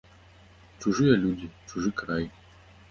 Чужыя людзі, чужы край.